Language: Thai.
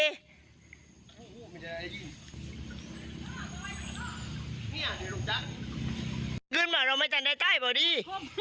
อ่ะงี้อ่ะหรือหลุมจักเริ่มมาเราไม่จะในใจบอกดี